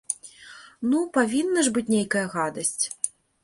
Ну, павінна ж быць нейкая гадасць!